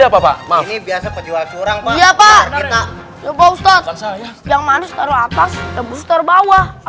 dasar pa ini biasa pejual curang kak iya pak adalahita dacthealt yang manis taruh atas mostar bawa